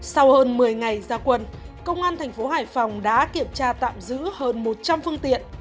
sau hơn một mươi ngày ra quần công an tp hải phòng đã kiểm tra tạm giữ hơn một trăm linh phương tiện